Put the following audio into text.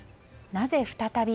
なぜ再び？